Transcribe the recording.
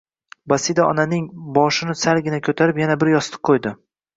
Basida onaning boshini salgina ko‘tarib yana bir yostiq qo‘ydi